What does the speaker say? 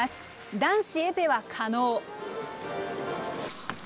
男子エペは加納。